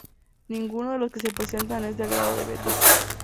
Ninguno de los que se presentan es del agrado de Betty.